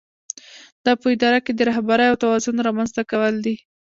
دا په اداره کې د رهبرۍ او توازن رامنځته کول دي.